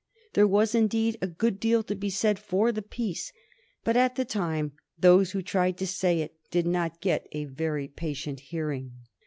There was, indeed, a good deal to be said for the peace, but at the time those who tried to say it did not get a very patient hearing.